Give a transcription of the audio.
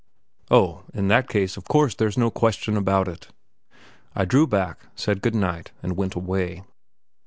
"Oh, in that case, of course there's no question about it." I drew back, said good night, and went away.